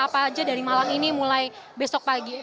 apa saja dari malam ini mulai besok pagi